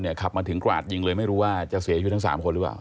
ขับมาถึงกราดยิงเลยไม่รู้ว่าจะเสียชีวิตทั้ง๓คนหรือเปล่า